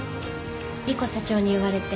莉湖社長に言われて。